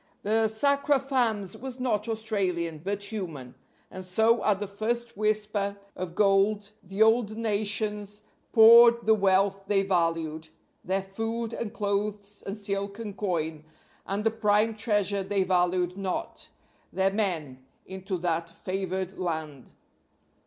The sacra fames was not Australian, but human; and so at the first whisper of gold the old nations poured the wealth they valued their food and clothes and silk and coin and the prime treasure they valued not, their men into that favored land.